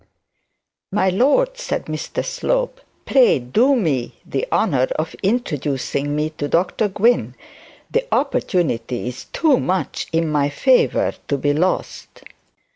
'My lord,' said Mr Slope, 'pray do me the honour of introducing me to Dr Gwynne. The opportunity is too much in my favour to be lost.'